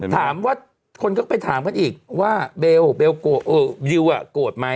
ถามว่าคนก็ไปถามกันอีกว่าเบลเบลโกรธดิวโกรธไหม